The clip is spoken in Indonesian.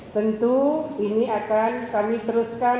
tentu ini akan kami teruskan